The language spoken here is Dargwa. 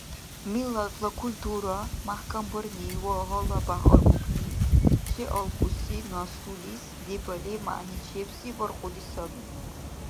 Миллатла культура мяхӀкамбарни ва гьалабяхӀ арбукни чеалкӀуси наслулис дебали мягӀничебси баркьуди саби.